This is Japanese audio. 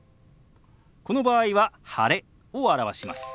この場合は「晴れ」を表します。